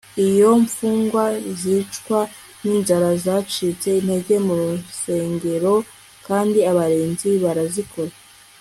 Iyo mfungwa zicwa ninzara zacitse intege mu rusengero kandi abarinzi barazikora